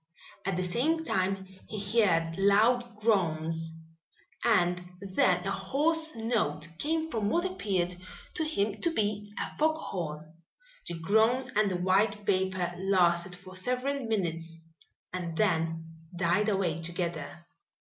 At the same time he heard loud groans and then a hoarse note coming from what appeared to him to be a fog horn. The groans and the white vapor lasted for several minutes and then died away together.